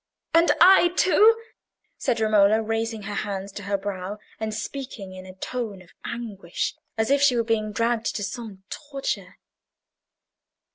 "And I too," said Romola, raising her hands to her brow, and speaking in a tone of anguish, as if she were being dragged to some torture.